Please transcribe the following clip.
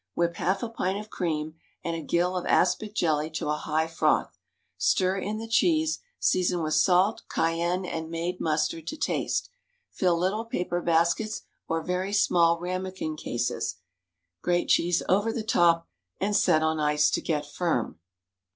Whip half a pint of cream and a gill of aspic jelly to a high froth; stir in the cheese; season with salt, cayenne, and made mustard to taste. Fill little paper baskets or very small ramequin cases, grate cheese over the top, and set on ice to get firm.